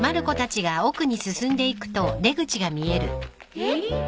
えっ？